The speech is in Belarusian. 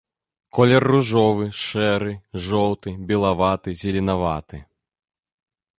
Колер ружовы, шэры, жоўты, белаваты, зеленаваты.